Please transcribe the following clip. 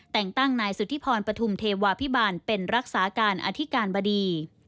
แต่งตั้งนายสุธิพรปฐุมเทวาพิบาลเป็นรักษาการอธิการบดี